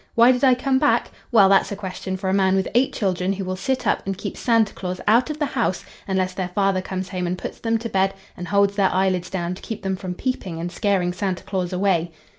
—'Why did I come back?'—Well! that's a question for a man with eight children who will sit up and keep Santa Claus out of the house unless their father comes home and puts them to bed and holds their eyelids down to keep them from peeping and scaring Santa Claus away!